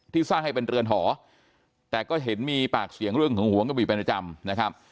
สร้างให้เป็นเรือนหอแต่ก็เห็นมีปากเสียงเรื่องของหวงกะบี่เป็นประจำนะครับ